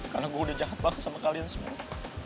karena gue udah jahat banget sama kalian semua